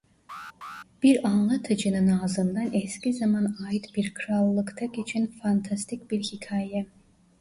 Bir anlatıcının ağzından eski zaman ait bir krallıkta geçen fantastik bir hikâye.